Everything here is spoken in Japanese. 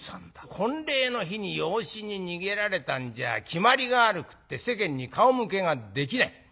婚礼の日に養子に逃げられたんじゃきまりが悪くて世間に顔向けができない。